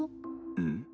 うん？